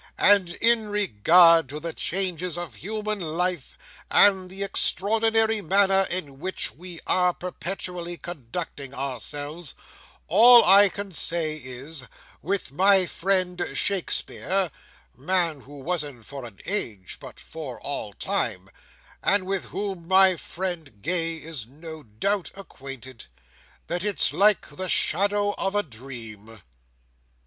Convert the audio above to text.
And in regard to the changes of human life, and the extraordinary manner in which we are perpetually conducting ourselves, all I can say is, with my friend Shakespeare—man who wasn't for an age but for all time, and with whom my friend Gay is no doubt acquainted—that its like the shadow of a dream."